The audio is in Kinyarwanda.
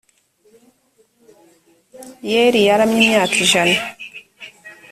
yeli yaramye imyaka ijana